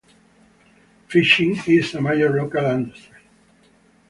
Fishing is a major local industry.